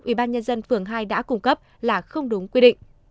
ubnd phường hai đã cung cấp là không đúng quy định